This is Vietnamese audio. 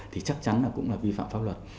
thì chắc chắn là cũng là vi phạm pháp luật